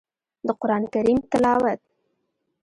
د قران کريم تلاوت